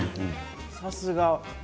さすが。